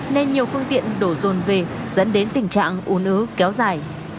nên nhiều phương tiện đổ tồn về dẫn đến tình trạng ồn ứ kéo dài